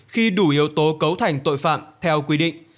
khi đủ yếu tố cấu thành tội phạm theo quy định